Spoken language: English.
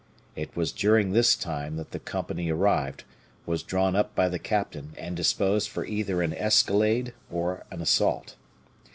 It was during this time that the company arrived, was drawn up by the captain, and disposed for either an escalade or an assault.